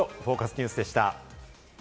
ニュースでした。